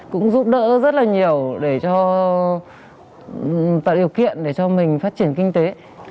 cũng giúp đỡ rất là nhiều để cho tạo điều kiện để cho mình phát triển kinh tế